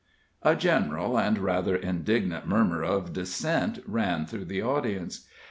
A general and rather indignant murmur of dissent ran through the audience.